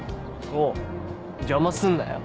おう邪魔すんなよ。